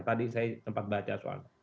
tadi saya tempat baca soal itu